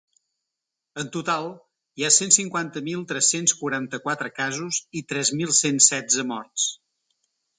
En total, hi ha cent cinquanta-cinc mil tres-cents quaranta-quatre casos i tres mil cent setze morts.